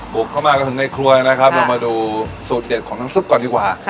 บุกเข้ามาจนถึงในครัวนะครับเรามาดูสูตรเด็ดของน้ำซุปก่อนดีกว่า